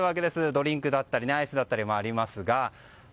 ドリンクだったりアイスだったりもありますが。